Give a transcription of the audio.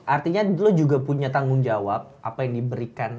artinya dulu juga punya tanggung jawab apa yang diberikan